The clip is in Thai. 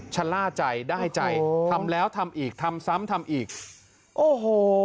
ชะล่าใจได้ใจทำแล้วทำอีกทำซ้ำทำอีกโอ้โห